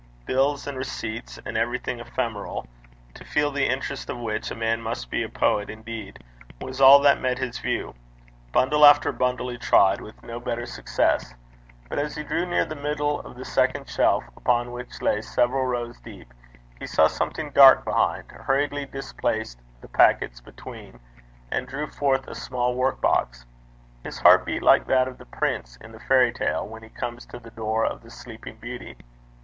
Bills and receipts, and everything ephemeral to feel the interest of which, a man must be a poet indeed was all that met his view. Bundle after bundle he tried, with no better success. But as he drew near the middle of the second shelf, upon which they lay several rows deep, he saw something dark behind, hurriedly displaced the packets between, and drew forth a small workbox. His heart beat like that of the prince in the fairy tale, when he comes to the door of the Sleeping Beauty.